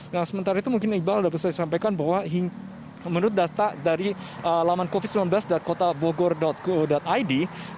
nah sementara itu mungkin iqbal sudah bisa disampaikan bahwa menurut data dari alaman covid sembilan belas kotabogor co id